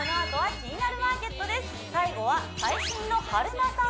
最後は最新の春菜さん